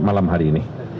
malam hari ini